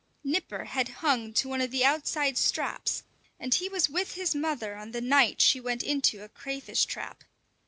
Nipper had hung to one of the outside "straps" and he was with his mother on the night she went into a crayfish trap.